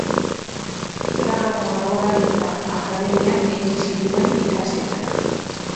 Pragako margolaritza-akademian egin zituen ikasketak.